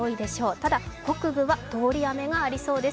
ただ北部は通り雨がありそうです